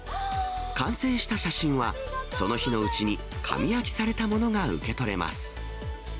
完成した写真はその日のうちに紙焼きされたものが受け取れます。